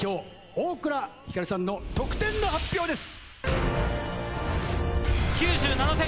大倉光琉さんの得点の発表です！